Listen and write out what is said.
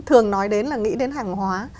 thường nói đến là nghĩ đến hàng hóa